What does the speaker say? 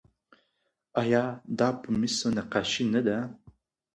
آیا دا په مسو نقاشي نه ده؟